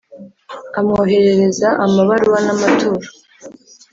amwoherereza amabaruwa n’amaturo.